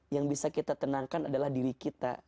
yang bisa kita tenangkan adalah diri kita